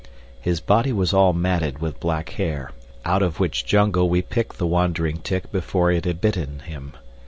His body was all matted with black hair, out of which jungle we picked the wandering tick before it had bitten him.